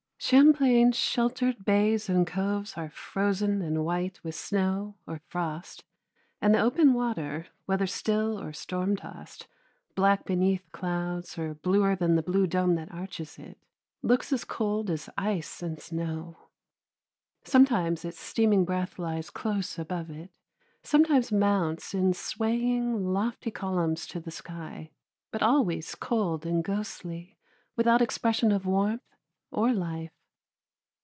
Champlain's sheltered bays and coves are frozen and white with snow or frost, and the open water, whether still or storm tossed, black beneath clouds or bluer than the blue dome that arches it, looks as cold as ice and snow. Sometimes its steaming breath lies close above it, sometimes mounts in swaying, lofty columns to the sky, but always cold and ghostly, without expression of warmth or life.